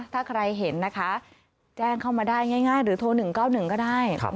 ถ้าใครเห็นนะคะแจ้งเข้ามาได้ง่ายหรือโทร๑๙๑ก็ได้